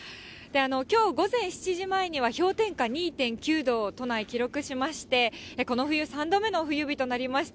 きょう午前７時前には、氷点下２．９度、都内、記録しまして、この冬３度目の冬日となりました。